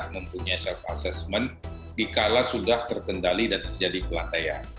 mempunyai self assessment dikala sudah terkendali dan terjadi pelandaian